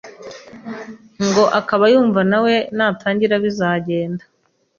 ngo akaba yumva na we natangira bizagenda